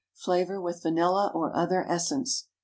Flavor with vanilla or other essence.